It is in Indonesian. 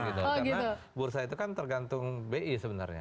karena bursa itu kan tergantung bi sebenarnya